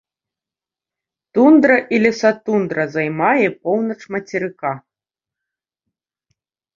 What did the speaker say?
Тундра і лесатундра займае поўнач мацерыка.